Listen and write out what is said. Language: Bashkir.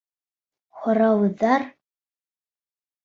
Һорауҙар?